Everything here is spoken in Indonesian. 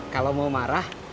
kalau mau marah